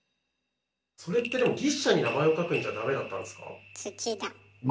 それってでも牛車に名前を書くんじゃダメだったんですか？